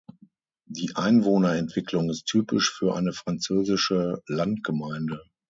Die Einwohnerentwicklung ist typisch für eine französische Landgemeinde.